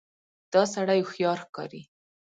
دا سړی هوښیار ښکاري.